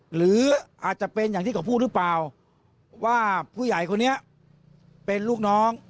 หรืออาจจะเป็นอย่างที่เขาพูดหรือเปล่าว่าผู้ใหญ่คนนี้เป็นลูกน้อง